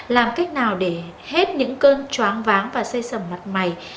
làm cách nào để hết những cơn choáng váng và xây sẩm mặt mày